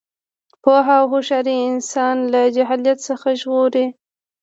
پوهه او هوښیاري انسان له جهالت څخه ژغوري.